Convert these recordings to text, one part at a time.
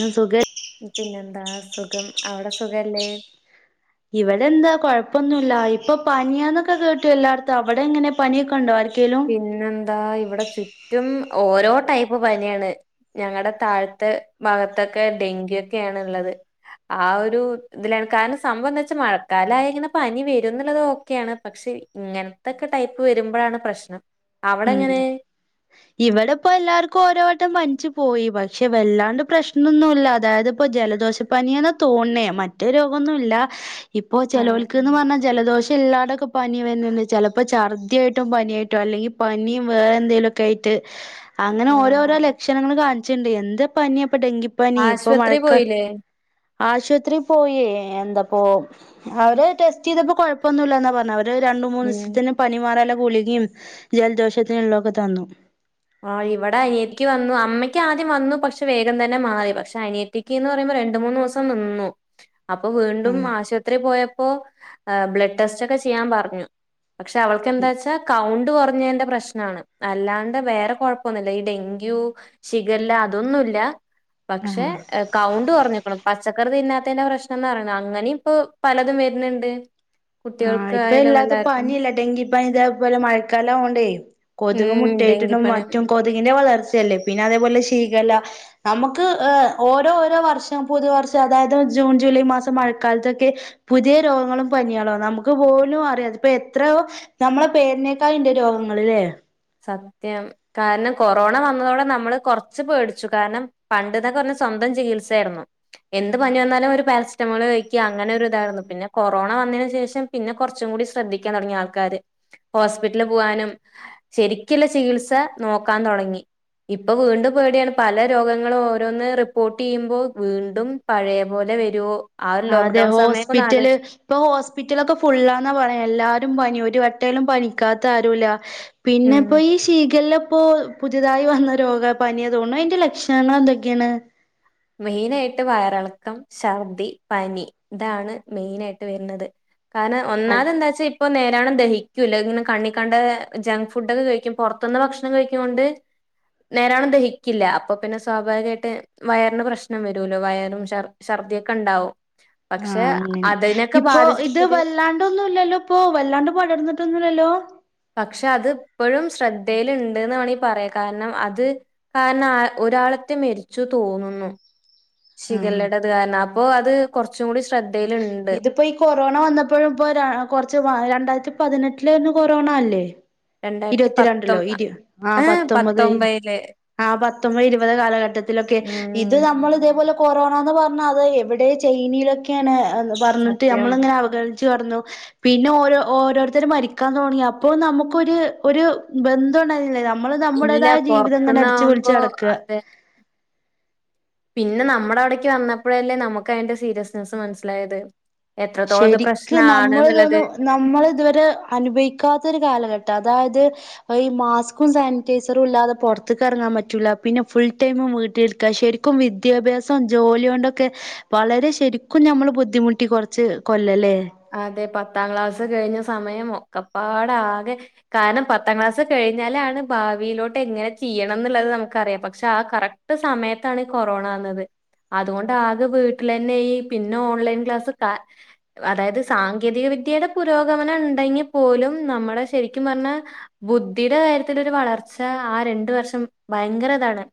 ഉം സുഖ പിന്നെന്താ സുഖം അവ്ടെ സുഖല്ലേ ഇവടെ എന്താ കൊഴപ്പൊന്നുല്ല. ഇപ്പൊ പനിയാന്നൊക്കെ കേട്ടു എല്ലാട്ത്തും അവിടെ എങ്ങനെ പനിയൊക്കെ ഉണ്ടോ ആർ പിന്നെന്താ ഇവിടെ ചുറ്റും ഓരോ ടൈപ്പ് പനിയാണ് ഞങ്ങടെ താഴ്ത്തെ ഭാഗത്തൊക്കെ ഡെങ്കി ഒക്കെയാണ്ള്ളത് ആ ഒരു ഇത്ലാണ് കാര്ണം സംഭവം ന്ന് വെച്ചാ മഴക്കാലായാ ഇങ്ങനെ പനി വരുംന്നുള്ളതോക്കെയാണ് പക്ഷെ ഇങ്ങൻത്തെക്കെ ടൈപ്പ് വരുമ്പഴാണ് പ്രശ്നം. അവിടെ ഉം എങ്ങനെ ഇവടെ ഇപ്പോ എല്ലാർക്കും ഓരോ വട്ടം പൻച്ചു പോയി. പക്ഷെ വല്ലാണ്ട് പ്രശ്നൊന്നുല്ല അതായത് പ്പൊ ജലദോഷ പനിയാന്ന തോണ്ണേ മറ്റേ രോഗൊന്നുല്ല. ഇപ്പോ ആഹ് ചെലോൽക്ക് ന്ന് പർഞ്ഞാ ജലദോഷം. ല്ലാണ്ടൊക്കെ പനി വര്ന്ന്ണ്ട്. ചെലപ്പോ ഛർദിയായ്ട്ടും പനിയായിട്ടോ അല്ലെങ്കി പനിം വേറെന്തെങ്കിലും ഒക്കെ ആയിട്ട് അങ്ങനെ ആഹ് ഓരോരാ ല ക്ഷണങ്ങൾ കാൺച്ചിണ്ട്. എന്ത് പനിയാപ്പൊ ഡെങ്കിപ്പനി ഇപ്പൊ ആശുപത്രി മഴക്കാ പോയില്ലേ ആശുവത്രി പോയേ എന്തപ്പോ അവര് ടെസ്റ്റെയ്തപ്പോ കൊഴ്പ്പൊന്നുല്ലന്നാ പർഞ്ഞ അവര്. രു രണ്ട് ഉം മൂന്നീസ്ത്തിന് പനി മാറാല്ല ഗുളികിം ജൽദോഷത്തിനുള്ളൊക്കെ തന്നു. ആഹ് ഇവടെ അനിയക്ക് വന്നു അമ്മയ്ക്ക് ആദ്യം വന്നു പക്ഷെ വേഗം തന്നെ മാറി പക്ഷെ അനിയ ത്തിക്കിന്ന് പറയുമ്പോ രണ്ട് മൂന്നൂസം നിന്നു. അപ്പൊ വീണ്ടും ആഹ് ആശുപത്രി പോയപ്പോ ബ്ലഡ് ടെസ്‌റ്റൊക്കെ ചെയ്യാൻ പറഞ്ഞു. പക്ഷെ അവൾക്കെന്താച്ചാ കൗണ്ട് കൊർഞ്ഞേന്റെ പ്രശ്നാണ്. അല്ലാണ്ട് വേ കൊഴ്പ്പൊന്നുല്ല. ഈ ഡെങ്ക്യൂ, ശിഗല്ല അതൊന്നുല്ല പക്ഷേ ആഹ് കൗണ്ട് കൊർഞ്ഞ്‌ക്ക്ണ്. പച്ചക്കറി തിന്നാത്തേന്റെ പ്രശ്നംന്നാറിണേ അങ്ങനിം ഇപ്പൊ പലതും വര്ണ്ണ്ട്. ആഹ് ഇപ്പൊ ഇല്ലാത്ത പനി ഇല്ല ഡെങ്കി പനി ഇതേ പോലെ മഴക്കാലം ആവോണ്ടേ. കൊതുക് ഉം മുട്ടായിട്ടിട്ടും ഡെങ്കിപ്പനി മറ്റും കൊതുകിന്റെ വളർച്ചയല്ലേ പിന്നെ അതേപോലെ ശീകല നമുക്ക് ഓരോ ഓരോ വർഷം പുതുവർഷം അതായത് ജൂൺ ജൂലൈ മാസം മഴക്കാൽത്തൊക്കെ. പുതിയ രോഗങ്ങളും പനിയാളും. നമുക്ക് പോലും അറിയാ ഇപ്പ എത്രയോ നമ്മളെ പേര്നേക്കാ ഇണ്ട് രോഗങ്ങള് ല്ലേ സത്യം കാര്ണം കൊറോണ വന്നതോടെ നമ്മള് കൊർച്ച് പേട്ച്ചു. കാരണം പണ്ട്ന്നൊക്കെർഞ്ഞ സ്വന്തം ചികിത്സ ആയ്ർന്നു. എന്ത് പനി വന്നാലും ഒരു പാരസറ്റമോൾ കഴിക്ക അങ്ങനെ ഒരു ഇതായിര്ന്നു. പിന്നെ കൊറോണ വന്നേനു ശേഷം പിന്നെ കൊർച്ചും കൂടി ശ്രദ്ധിക്കാൻ തൊട്ങ്ങി ആൾക്കാര് ഹോസ്പിറ്റൽ പോവാനും. ശരിക്കില്ല ചികിത്സ നോക്കാൻ തൊടങ്ങി. ഇപ്പ വീണ്ടും പേട്യാണ് പല രോഗങ്ങള് ഓരോന്ന് റിപ്പോർട്ട് ചെയ്യുമ്പോ വീണ്ടും പഴേപോലെ വരൂവോ അതെ ഹോസ്പിറ്റല് ഇപ്പൊ ഹോസ്പിറ്റലൊക്കെ ഫുള്ളാന്നാ പറയാ എല്ലാരും പനി ഒരുവട്ടേലും പനിക്കാത്ത ആരുല്ല ഉം പിന്നെപ്പോയ് ശ് ശീകല്ല്പ്പോ പുതിയതായി വന്ന രോഗാ പനിയതോണ് അതിന്റെ ലക്ഷണങ്ങളെന്തൊക്കെയാണ് മെയ്നായ്ട്ട് വയറിളക്കം ശർദ്ദി പനി ഇതാണ് മെയ്നായ്ട്ട് വരുന്നത് കാരണം അൽ ഒന്നാതെന്താച്ച് ഇപ്പൊ നേരാണം ദഹിക്കൂല്ല ഇങ്ങനെ കണ്ണിക്കണ്ട ജങ്ക് ഫുഡൊക്കെ കഴിക്കും പൊറത്തുന്ന് ഭക്ഷണം കഴിക്ക്ന്നെകൊണ്ട് നേരാണം ദഹിക്കില്ല അപ്പൊ പിന്നെ സ്വാഭാവികായിട്ട് വയർ ങ്ങനുള്ള പ്രശ്നം വരൂവല്ലോ വയറും ശർ ശർദ്ദിയക്കെണ്ടാവും ആഹ് അങ്ങനെ ഇപ്പൊ ബാധിച്ചിട്ട് ഇത് പുതിയ വല്ലാണ്ടൊന്നുല്ലല്ലോ ഇപ്പോ വല്ലാണ്ട് പടർന്നിട്ടൊന്നുല്ലല്ലോ പക്ഷെ അത് ഇപ്പഴും ശ്രദ്ധേല്ണ്ട്‌ന്ന് വേണേ പറയാ കാരണം അത് കാരണം ആഹ് ഒരാളത്തെ മെരിച്ചു തോന്നുന്നു ആഹ് ശിഖല്ലേടെത് കാരണാ അപ്പൊ അത് കൊറച്ചുംകൂടി ശ്രദ്ധയ്ല്ണ്ട് പ്പൊ ഈ കൊറോണ വന്നപ്പോഴും പ്പ രൺ കൊറച്ച് വ രണ്ടായിരത്തി പതിനെട്ടിലേന്നു കൊറോണ അല്ലേ രണ്ടായിരത്തി പത്തൊ ഇരുപത്തിരണ്ട്ല്ലോ ഇര് ആഹ് ഏഹ് പത്തൊമ്പത് പത്തൊമ്പതില് ആഹ് പത്തൊമ്പത് ഇരുപത് കാലഘട്ടത്തിലൊക്കെ ഇത് ഉം നമ്മള് ഇതേപോലെ കൊറോണാന്ന് പറഞ്ഞാ അത് എവിടെ ചൈനേലൊക്കെയാണ്ന്ന് പറഞ്ഞിട്ട് സത്യം നമ്മള്ങ്ങനെ അവഗണി ച്ചു നടന്നു പിന്നെ ഓരോ ഓരോരുത്തര് മരിക്കാൻ തോണി അപ്പൊ നമുക്ക് ഒര് ഒരു ബന്ധോണ്ടായ്ന്നില്ലല്ലോ നമ്മള് ഇല്ല നമ്മുടേതായ ജീവിതം തന്നെ അടിച്ചുപൊളിച്ച് പൊറത്തുന്നാവുമ്പോ നടക്കാ അതെ പിന്നെ നമ്മടെ അവ്ടേക്ക് വന്നപ്പഴല്ലേ നമുക്കയ്ന്റെ സീരിയസ്നസ്സ് മനസ്സിലായത് എത്രത്തോളത് പ്രശ്നാണ്ന്ന്ള്ളത് നമ്മളിതുവരെ അനുഭയ്ക്കാത്തൊര് കാലഘട്ടാ അതായത് എയ് മാസ്ക്കും സാനിറ്റൈസറുല്ലാതെ പൊറത്ത്ക്കെകറങ്ങാൻ പറ്റൂല്ല പിന്നെ ഫുൾടൈമും വീട്ടിലിര്ക്കാ ശരിക്കും ക്കും വിദ്യാഭ്യാസോം ജോല്യോണ്ടൊക്കെ വളരെ ശെരിക്കും ഞമ്മള് ബുദ്ധിമുട്ടി കൊറ ച്ച് കൊല്ലല്ലേ അതെ പത്താംക്ലാസ് കയ്ഞ്ഞ സമയം ഒക്കെപ്പാടെ ആകെ കാരണം പത്താം ക്ലാസ് കെഴ്ഞ്ഞാലാണ് ഭാവിയിലോട്ടെങ്ങനെ ചെയ്യണന്ന്ള്ളത് നമുക്ക് അറിയാ പക്ഷെ ആഹ് കറക് ട്ട് സമയത്താണീ കൊറോണ വന്നത് അതുകൊണ്ടാകെ വീട്ടിലെന്നെയ് പിന്നെ ഓൺലൈൻ ക്ലാസ്സ് കാ വതായത് സാങ്കേതിക വിദ്യേടെ പുരോഗമനണ്ടെങ്കിപോലും നമ്മടെ ശെരിക്കും പറഞ്ഞാ ബുദ്ധീടെ കാര്യത്തിലൊരു വളർച്ച ആ രണ്ട് വർഷം ഭയങ്കരതാണ്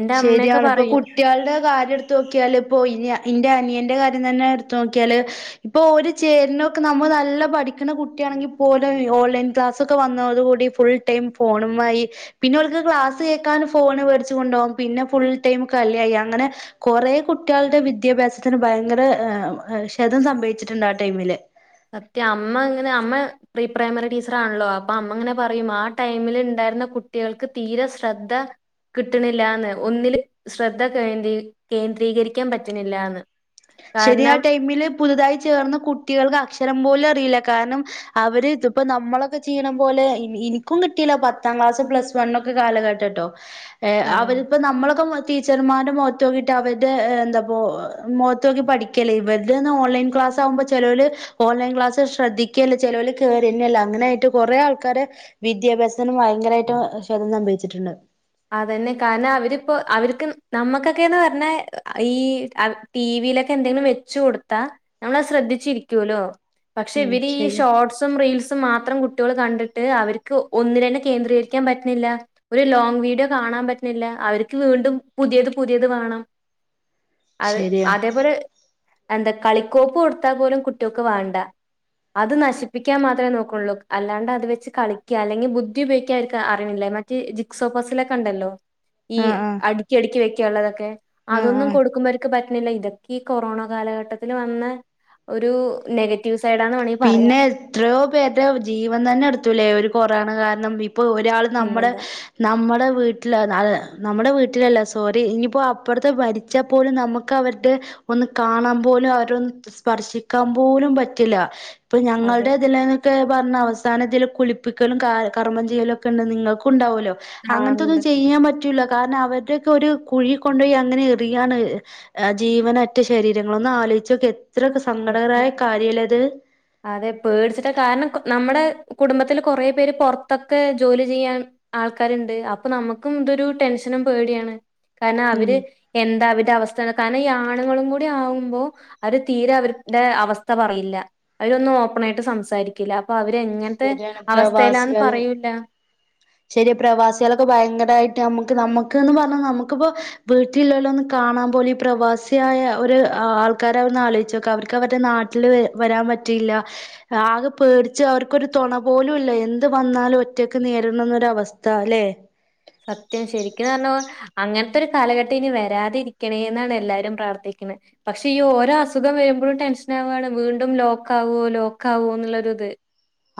എന്റഅമ്മെക്കെ പറയും കുട്ട്യാൾടെ കാര്യം എടുത്ത് നോക്കിയാല് പ്പൊ ഇനി ഇൻ്റെ അനിയൻ്റെ കാര്യം തന്നെ എടുത്ത് നോക്കിയാല് ഇപ്പൊ ഓര് ചേര്ണൊക്കെ നമ്മള് നല്ല പഠിക്കണ കുട്ട്യാണെങ്കി പോലും ഓൺലൈൻ ക്ലാസൊക്കെ വന്നത് കൂടി ഫുൾടൈം ഫോണുമ്മായ് പിന്നെ ഓൽക്ക് ക്ലാസ് കേക്കാൻ ഫോണ് വേടിച്ചു കൊണ്ടോവും പിന്നെ ഫുൾടൈമും കളിയായ് അങ്ങനെ കൊറേ കുട്ട്യാൾടെ വിദ്യാഭ്യാസത്തിന് ഭയങ്കര ആഹ് ഹ് മ് ക്ഷതം സംഭവിച്ചിട്ട്ണ്ട് ആടൈമില് സത്യം അമ്മങ്ങനെ അമ്മ പ്രീ പ്രൈമറി ടീച്ചറാണല്ലോ അപ്പ അമ്മങ്ങനെ പറയും ആടൈമില്ണ്ടായിര്ന്ന കുട്ട് ട്ടികൾക്ക് തീരെ ശ്രദ്ധ കിട്ടണ്ല്ലാന്ന് ഒന്നില് ശ്രദ്ധ കേന്ദീ കേന്ദ്രീകരിക്കാൻ പറ്റണ്ല്ലാന്ന് ശെരിയാ ആടൈമില് പുതുതായി ചേർന്ന കുട്ടികൾക്ക് അക്ഷരം പോലും അറിയില്ല കാരണം അവര് ഇതിപ്പോ നമ്മളൊക്കെ ചെയ്യ്ണ പോലെ ഇ ഇനിക്കും കിട്ടിയില്ല പത്താക്ലാസ് പ്ലസ്വണ്ണൊക്കെ കാലഘട്ടെട്ടോ ഏഹ് ആഹ്. അവര്പ്പം നമ്മളൊക്കെ മൊ ടീച്ചർമാര്ടെ മോത്തോക്കിട്ട് അവര്ടെ എന്താപ്പൊ മോ ത്ത് നോക്കി പഠിക്ക്യല്ലേ ഇവർടേന്ന് ഓൺലൈൻ ക്ലാസാവുമ്പോ ചെലോര് ഓൺലൈൻ ക്ലാസ്സ്‌ ശ്രദ്ധി ക്ക്ല്ല് ചെലോല് കേറ്ന്നെല്ല അങ്ങനെയായിട്ട് കൊറെ ആൾക്കാര് വിദ്യാഭ്യാസത്തിന് ഭയങ്കരമായിട്ടും ക്ഷതം സംഭവിച്ചിട്ടുണ്ട് അതന്നെ കാരണം അവരിപ്പൊ അവർക്ക് നമ്മുക്കൊക്കെന്ന് പറഞ്ഞാ ഈ ടി വിയിലൊക്കെ എന്തെങ്കിലും വെച്ച് കൊടുത്താ നമ്മളത് ശ്രദ്ധിച്ചിരിക്കോല്ലോ പക്ഷെ ഉം ഇവര് ഈ ശരിയാ ഷോർട്സും റീൽസ് മാത്രം കുട്യോള് കണ്ടിട്ട് അവർക്ക് ഒന്നിലെന്നെ കേന്ദ്രീകരിക്കാൻ പറ്റ്ണില്ല ഒരു ലോങ് വീ യൊ കാണാൻ പറ്റ്ണില്ല അവർക്ക് വീണ്ടും പുതിയത് പുതിയത് വാണം അത് ശരിയാ അതേപോലെ എന്താ കളിക്കോപ്പ് കൊടുത്താ പോലും കുട്ട്യോക്ക് വാണ്ട അത് നശിപ്പിക്കാൻ മാത്രമേ നോക്കൊള്ളൂ അല്ലാണ്ട് അത് വെച്ച് കളിക്ക അല്ലെങ്കിൽ ബുദ്ധി ഉപയോഗിക്യാൻ അവർക്ക് അറിണില്ല മ ച്ച് ജിക്സോ ഫസില ക്കെണ്ടല്ലൊ ഈ ആഹ് ആഹ് അടുക്കി അടുക്കി വെയ്ക്കാള്ളതൊക്കെ ആഹ് അതൊന്നും ആഹ് കൊടുക്കുമ്പോർക്ക് പറ്റണില്ല ഇതൊ ക്കെ ഈ കൊറോണ കാലഘട്ടത്തില് വന്ന ഒരു നെഗ പിന്നെ എത്രയോ പേരുടെ ജീവൻ തന്നെ എടുത്തൂലേ ഒരു കൊറോണ കാരണം ഇപ്പൊ ഒരാൾ നമ്മുടെ പിന്നെന്താ നമ്മുടെ വീട്ടില നമ്മുടെ വീട്ടിലല്ല സോറി ഇഞ്ഞിപ്പൊ അപ്പൊർത്ത് പനി ച്ചാ പോലും നമ്മുക്ക് അവരുടെ ഒന്ന് കാണാൻ പോലും അവരൊന്ന് സ്പർശിക്കാൻ പോലും പറ്റില്ല ഇപ്പൊ അതെ ഞങ്ങളുടെ ഇതിലെ ഒക്കെ പറഞ്ഞ അവസാനതില് കുളിപ്പിക്കലും കർമ്മം ചെയ്യലും ഒക്കെണ്ട് നിങ്ങൾക്കൂണ്ടാവൊല്ലോ ആഹ് അങ്ങൻത്തൊന്നും ഉണ്ട് ചെയ്യാൻ പറ്റൂല കാരണം അവരുടെയൊക്കെ ഒരു കുഴി കൊണ്ടോയി അങ്ങനെ എറിയാണ് ആഹ് ജീവനറ്റ ശരീരങ്ങള് ഒന്ന് ആലോയിച്ചൊക്കെ എത്ര സത്യം സങ്കടകരായ കാര്യാലെ അത് അതെ പേടിച്ചിട്ട കാരണം നമ്മുടെ കുടുംബത്തില് കുറേ പേര് പൊറത്തൊക്കെ ജോലി ചെയ്യാൻ ആൾക്കാര്ണ്ട് അപ്പൊ നമുക്കും ഇതൊരു ടെൻഷനും പേടിയാണ് കാരണം ഉം അവര് എന്താ അവരുടെ അവസ്ഥ കാരണം ഈ ആണുങ്ങളും കൂടി ആവുമ്പോ അവര് തീരെ അവർ ടെ അവസ്ഥ പറയില്ല അവരൊന്നും ഓപ്പൺ ആയിട്ട് സംസാരി ക്കില്ല അപ്പൊ അവര് എങ്ങൻത്തെ ശരിയാണ് അവസ്ഥയിലാന്ന് പ്രവാസികള് പറയൂല്ല ശരി പ്രവാസികളൊക്കെ ഭയങ്കരായിട്ട് നമ്മുക്ക് നമുക്ക്ന്ന് പറഞ്ഞ നമുക്കിപ്പോ വീട്ടില് ല്ലോലൊന്ന് കാണാൻ പോലും ഈ പ്രവാസിയായ ഒരു ആൾക്കാര ഒന്ന് ആലോയ് ച്ചോക്ക അവർക്ക് അവരുടെ നാ ട്ടില് വരാൻ പറ്റില്ല ആകെ പേട് ച്ച് അവർക്കൊരു തൊണ പോലും ഇല്ല എന്ത് വന്നാലും ഒറ്റക്ക് നേരിടണന്നൊര അവസ്ഥ അല്ലേ സത്യം ശരിക്ക് നറഞ്ഞ അങ്ങനത്തെ ഒരു കാലഘട്ടം ഇനി വരാതിരിക്കണേ എന്നാണ് എല്ലാരും പ്രാർത്ഥിക്കണെ പക്ഷെ ഈ ഓരോ അസുഖം വരുമ്പോഴും ടെൻഷൻ ആവുകയാണ് വീണ്ടും ലോക്ക് ആവോ ലോക്ക് ആവോ എന്നുള്ളൊരുത്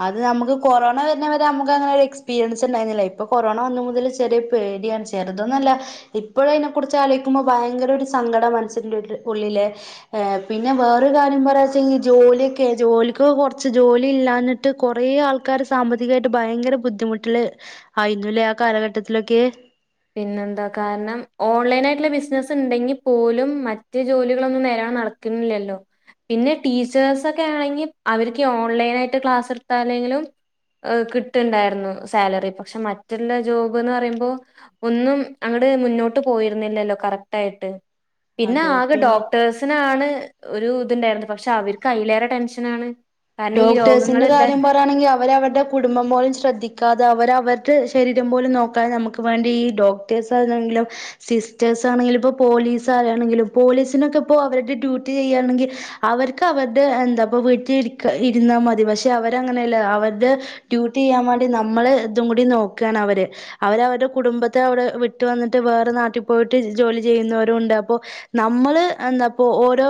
അത് നമുക്ക് കൊറോണ വരുന്നവരെ നമുക്ക് അങ്ങനെ ഒരു എക്സ്പീരിയൻസ് ഉണ്ടായിരുന്നില്ല ഇപ്പൊ കൊറോണ വന്ന മുതല് ചെറിയ പേടിയാണ് ചെറുതൊന്നല്ല ഇപ്പോഴും അയിനെക്കുറിച്ച് ആലോയിക്കുമ്പോ ഭയങ്കര ഒരു സങ്കട മനസ്സിൻ്റ ഉള്ളില് ഏ പിന്നെ വേറൊരു കാര്യം പറയാെച്ചങ്കി ജോലിയൊക്കെ ജോലിക്ക് കുറച്ച് ജോലി ഇല്ലാന് ട്ട് കുറേ ആൾക്കാർ സാമ്പത്തികായിട്ട് ഭയങ്കര ബുദ്ധിമുട്ടില് ആയിനുല്ലേ ആ കാലഘട്ടത്തിലൊക്കെ പിന്നെന്താ കാരണം ഓൺലൈൻ ആയിട്ടുള്ള ബിസിനസ്സ് ഉണ്ടെങ്കിൽ പോലും മറ്റു ജോലികളൊന്നും നേരാ വണ്ണം നട കിണ്ല്യല്ലോ പിന്നെ ടീച്ചേഴ്സൊക്കെ ആണെങ്കിൽ അവർക്ക് ഓൺലൈൻ ആയിട്ട് ക്ലാസ് എടുത്താല്ലെങ്കിലും കിട്ട്ണ്ടായിരുന്നു സാലറി പക്ഷെ മറ്റുള്ള ജോബ്ന്ന് പറയുമ്പോ ഒന്നും അങ്ങട് മുന്നോട്ട് പോയിരുന്നില്ലല്ലോ കറക്റ്റ് ആയിട്ട് പിന്നെ അതെ ആകെ പിന്നെ ഡോക്ടേഴ്സ് നാണ് ഒരു ഇതുണ്ടായിരുന്നത് പക്ഷെ അവർക്ക് അയ്യിലേറെ ടെൻഷനാണ് കാരണം ഈ ഡോക്ടേഴ്സിന്റെ രോഗങ്ങളില്ലേ കാര്യം പറ ആണെങ്കിൽ അവര അവരുടെ കുടുംബം പോലും ശ്രദ്ധിക്കാതെ അവര അവരുടെ ശരീരം പോലും നോക്കാതെ നമുക്ക് വേണ്ടി ഈ ഡോ സ്റ്റർസനെങ്കിലും സിസ്റ്റേഴ്സ് ആണെങ്കിലും ഇപ്പൊ പോലീസ് ആയാണെങ്കിലും പോലീസിനൊക്കെ ഇപ്പോ അവരുടെ ഡ്യൂട്ടി ചെയ്യാണെങ്കി അവർക്ക് അവരുടെ എന്താപ്പൊ വീട്ടിൽ ഇരുക്ക ഇരുന്നാൽ മതി പക്ഷെ അവരങ്ങനെയല്ല അവരുടെ ഡ്യൂട്ടി ചെയ്യാൻ വേണ്ടി നമ്മള് ഇതും കൂടി നോക്കാണ് അവര് അവര അവരുടെ കുടുംബത്തെ അവിടെ വിട്ട് വന്നിട്ട് വേറെ നാട്ടിൽ പോയിട്ട് ജോലി ചെയ്യുന്നവരും ഉണ്ട് അപ്പൊ നമ്മള് എന്താപ്പൊ ഓരോ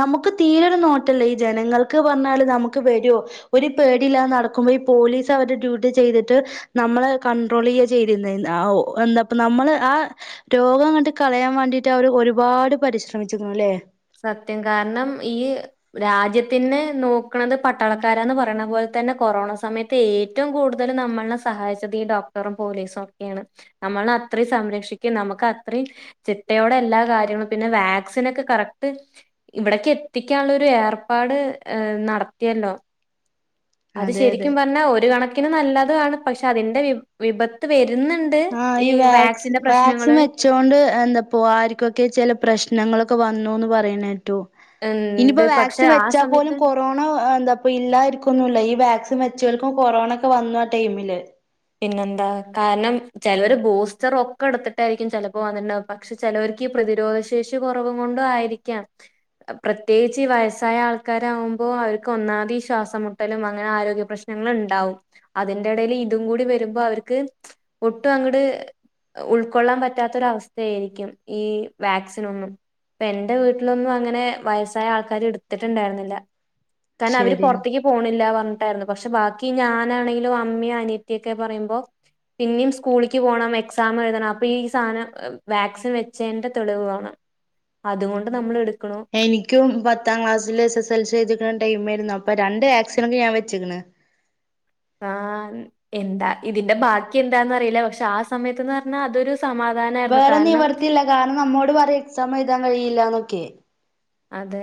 നമുക്ക് തീരൊരു നോട്ടല്ല ഈ ജനങ്ങൾക്ക് പറഞ്ഞാല് നമുക്ക് വരൊ ഒരു പേടില്ലാ നടക്കുമ്പോ ഈ പോലീസ് അവര് ഡ്യൂട്ടി ചെയ്തിട്ട് നമ്മള് കണ്ട്രോൾ ചെയ്യാ ചെയ്രുന്നത് എന്താപ്പ നമ്മള് ആ രോഗം അങ്ങട്ട് കളയാൻ വേണ്ടിട്ട് അവർ ഒരുപാട് പരിശ്രമിച്ചിക്കുണു ല്ലേ സത്യം കാരണം ഈ രാജ്യത്തിന് നോക്കണത് പട്ടാളക്കാരന്ന് പറയണ പോലെ തന്നെ കൊറോണ സമയ ത്തേറ്റവും കൂടുതൽ നമ്മളെ സഹായച്ചത് ഈ ഡോക്ടറും പോലീസും ഒക്കെയാണ് നമ്മള അത്രയും സംരക്ഷിക്കും നമുക്ക് അത്രയും ചിട്ടയോടെ എല്ലാ കാര്യങ്ങളും പിന്നെ വാക്സിൻ ഒക്കെ കറക് ട്ട് ഇവിടക്കി എത്തിക്കാനുള്ളൊരു ഏർപ്പാട് നടത്തിയല്ലോ അത് അതെ അതെ ശരിക്കും പറഞ്ഞാ ഒരു കണക്കിന് നല്ലാതും ആണ് പക്ഷെ അതിന്റെ വി വിപത്ത് വരുന്നു ആഹ് ഈ വാക് വാക്സിൻ വ ച്ചൊണ്ട് എന്താപ്പോ ആർക്കൊക്കെ ചില പ്രശ്നങ്ങളൊക്കെ വന്നുന്ന് പറയ്ണേറ്റു ഇണ്ട്. ഇനിയിപ്പോ പക്ഷെ വാക്സിൻ ആ വെച്ചാ പോലും സമയത്ത് കോ കൊറോണ എന്താപ്പ ഇല്ലായിരിക്കൊന്നില്ല ഈ വാക്സിൻ വെച്ചവർക്കും കൊറോണ ഒക്കെ വന്നു ആ ടൈമില് പിന്നെന്താ കാരണം ചിലർ ബൂസ്റ്റർ ഒക്കെ എടുത്തിട്ടായിരിക്കും ചിലപ്പോ അതിന് പക്ഷെ ചെലോർക്ക് ഈ പ്രതിരോധ ശേഷി കുറവും കൊണ്ടും ആയിരിക്കാം പ്രത്യേകിച്ച് ഈ വയസ്സായ ആൾക്കാരാവുമ്പോ അവർക്ക് ഒന്നത് ഈ ശ്വാസംമു ട്ടലും അങ്ങനെ ആരോഗ്യ പ്രശ്നങ്ങൾ ഇണ്ടാവും അതിന്റെ ഇടയിൽ ഇതും കൂടി വരുമ്പോ അവർക്ക് ഒട്ടും അങ്ങട് ഉൾക്കൊള്ളാൻ പറ്റാത്തൊര് അവസ്ഥേയിരിക്കും ഈ വാക്സിനൊന്നും എന്റെ വീട്ടിലൊന്നും അങ്ങനെ വയസ്സായ ആൾക്കാര് എടുത്തിട്ടുണ്ടാരുന്നില്ല കാരണം അവര് ശരിയാ പുറത്തേക്ക് പോണില്ല പറഞ്ഞിട്ടായിരുന്നു പക്ഷെ ബാക്കി ഞാനാണെങ്കിലും അമ്മയും അനിയ ത്തിക്കെ പറയുമ്പോ പിന്നെയും സ്കൂളിലക്ക് പോകണം എക്സാം എഴുതണം അപ്പൊ ഈ സാധനം വാക്സിൻ വെച്ചയിൻ്റെ തെളിവ് വേണം അതുകൊണ്ട് നമ്മൾ എടുക്ക്ണു എനിക്കും പത്താം ക്ലാസ്സില് എസ് എസ് എൽ സി എഴുതിക്കണ ടൈം ആരുന്നു അപ്പൊ രണ്ട് വാക്സിനൊക്കെ ഞാൻ വെച്ച്ക്കിണ് ആഹ് എന്താ ഇതിന്റെ ബാക്കി എന്താന്ന്റിയില്ല പക്ഷെ ആ സമയത്ത്ന്ന് പറഞ്ഞാ അതൊരു സമാധാന വേറെ നിവർത്തില്ല കാരണം നമ്മോട് പറയും എക്സാം എഴുതാൻ കഴിയില്ലന്നൊക്കെ അതെ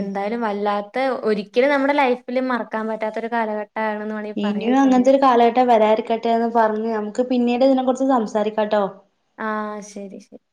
എന്തായാലും വല്ലാ ത്തെ ഒരിക്കലും നമ്മുടെ ലൈഫില് മറക്കാൻ പറ്റാത്ത ഒരു കാലഘട്ടം ആണെന്ന് മ ഇനിയും അങ്ങനത്തെ ഒരു കാലഘട്ടം വരാതിരിക്കട്ടെ എന്ന് പറഞ്ഞ് നമുക്ക് പിന്നീട് ഇതിനെ കുറിച്ച് സംസാരിക്കാട്ടോ ആഹ് ശരി ശരി